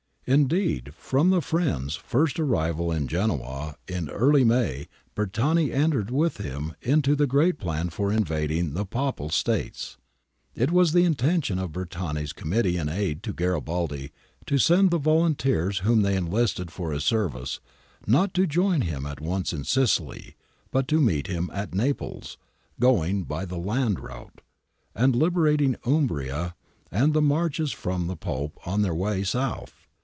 Indeed, from 'the friend's' first arrival in Genoa early in May, Bertani entered with him into the great plan for invading the Papal States.^ It was the intention of Bertani's Committee in Aid of Garibahiiio^send the volunteers whom. iiiey enlisted forjns service^ not to join him at once in Sicily, but to rr\eet him at_NapIes, going by the land route, and libe ratin g Umbria and the Marches from the Pope on, their_^ay south..